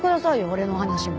俺の話も。